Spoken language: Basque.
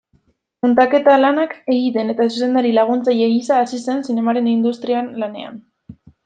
Muntaketa-lanak egiten eta zuzendari-laguntzaile gisa hasi zen zinemaren industrian lanean.